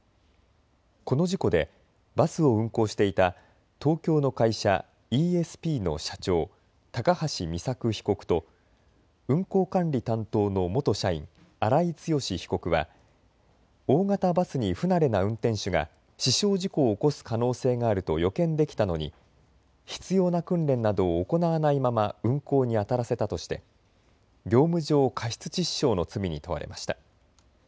この事故でバスを運行していた東京の会社、イーエスピーの社長、高橋美作被告と運行管理担当の元社員、荒井強被告は大型バスに不慣れな運転手が死傷事故を起こす可能性があると予見できたのに必要な訓練などを行わないまま運行にあたらせたとして業務上過失致死傷の罪に問われました。